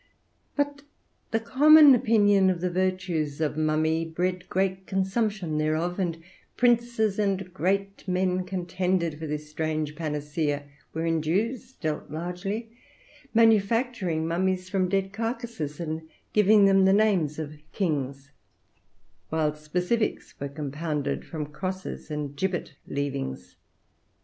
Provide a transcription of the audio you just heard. But the common opinion of the virtues of mummy bred great consumption thereof, and princes and great men contended for this strange panacea, wherein Jews dealt largely, manufacturing mummies from dead carcasses and giving them the names of kings, while specifics were compounded from crosses and gibbet leavings.